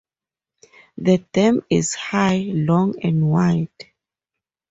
The dam, is high, long and wide.